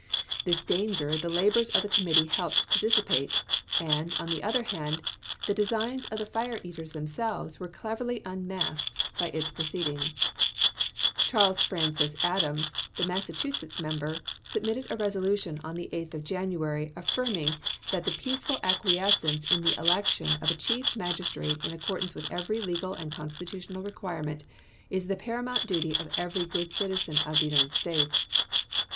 This danger the labors of the Committee helped to dissipate, and, on the other hand, the designs of the fire eaters themselves were cleverly unmasked by its proceedings. Charles Francis Adams, the Massachusetts member, submitted a resolution on 216 ABEAHAM LINCOLN Chap. XIV. Journal of the Com mittee, House Re port, No. 31, 2d Session, 36th Con gress. the 8th of January, affirming "that the peaceful acquiescence in the election of a Chief Magistrate in accordance with every legal and constitutional requirement is the paramount duty of every good citizen of the United States."